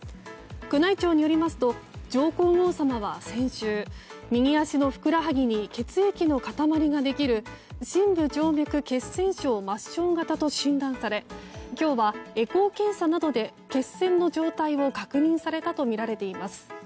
宮内庁によりますと上皇后さまは先週右足のふくらはぎに血液の塊ができる深部静脈血栓症末梢型と診断され今日はエコー検査などで血栓の状態を確認されたとみられています。